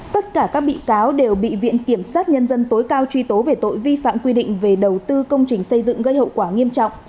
tất cả các bị cáo đều bị viện kiểm sát nhân dân tối cao truy tố về tội vi phạm quy định về đầu tư công trình xây dựng gây hậu quả nghiêm trọng